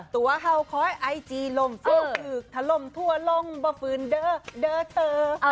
ตัวเห่าคอยไอจีลมฟื้นคือถล่มทั่วลงบะฝืนเด้อเด้อเธอ